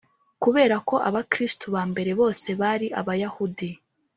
Kubera ko Abakristo ba mbere bose bari Abayahudi